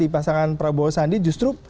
pasangan prabowo sandi justru